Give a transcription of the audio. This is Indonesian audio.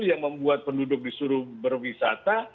yang membuat penduduk disuruh berwisata